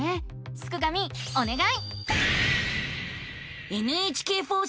すくがミおねがい！